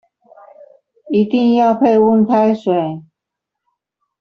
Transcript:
一定要配溫開水